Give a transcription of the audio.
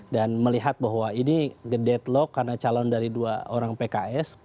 dan melihat bahwa ini deadlock karena calon dari dua orang pks